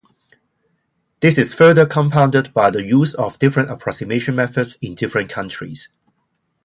This is further compounded by the use of different approximation methods in different countries.